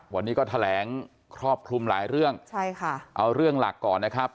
วันนี้ก็แถลงครอบคลุมหลายเรื่องใช่ค่ะเอาเรื่องหลักก่อนนะครับ